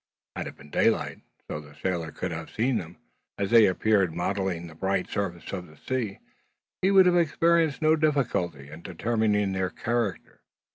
Had it been daylight, so that the sailor could have seen them, as they appeared mottling the bright surface of the sea, he would have experienced no difficulty in determining their character.